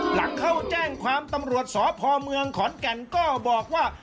หลังเข้าแจ้งความตำรวจสพเมืองขอนแก่นก็บอกว่า